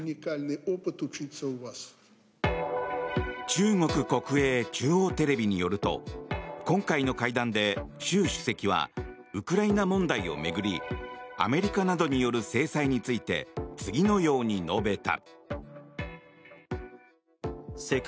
中国国営中央テレビによると今回の会談で習主席は、ウクライナ問題を巡りアメリカなどによる制裁について次のように述べた。